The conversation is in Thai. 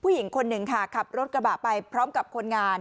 ผู้หญิงคนหนึ่งค่ะขับรถกระบะไปพร้อมกับคนงาน